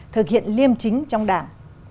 thực hiện liêm chính trong đảng